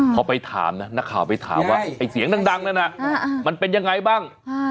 พอไปถามนะนักข่าวไปถามว่าไอ้เสียงดังนั้นมันเป็นยังไงบ้าง